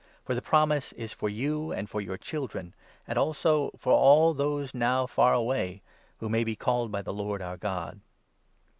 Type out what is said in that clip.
For the promise is for you and for your children, and 39 also for all those now far away, who may be called by the Lord our God."